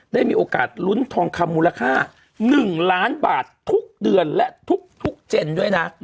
ได้มีโอกาสลุ้นทองคำมูลค่า๑ล้านบาททุกเดือนและทุกเจนด้วยนะ